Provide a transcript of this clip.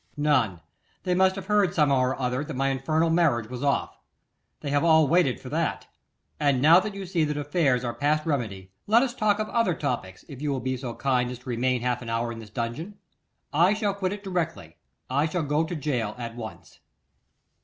'None: they must have heard somehow or other that my infernal marriage was off. They have all waited for that. And now that you see that affairs are past remedy; let us talk of other topics, if you will be so kind as to remain half an hour in this dungeon. I shall quit it directly; I shall go to gaol at once.